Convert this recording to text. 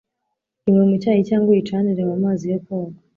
Yinywe mu cyayi cyangwa uyicanire mu mazi yo koga